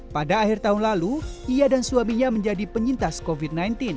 pada akhir tahun lalu ia dan suaminya menjadi penyintas covid sembilan belas